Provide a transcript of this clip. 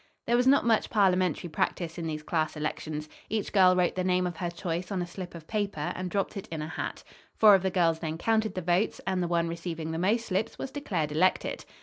There was not much parliamentary practice in these class elections. Each girl wrote the name of her choice on a slip of paper and dropped it in a hat. Four of the girls then counted the votes, and the one receiving the most slips was declared elected.